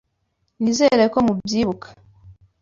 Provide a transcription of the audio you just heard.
Nizere ko mubyibuka.